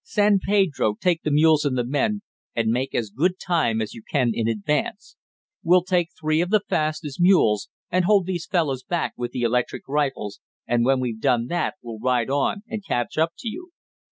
San Pedro, take the mules and the men, and make as good time as you can in advance. We'll take three of the fastest mules, and hold these fellows back with the electric rifles, and when we've done that we'll ride on and catch up to you."